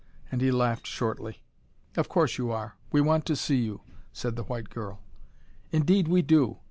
And he laughed shortly. "Of course you are. We want to see you," said the white girl. "Indeed we do!